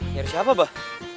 nyari siapa abah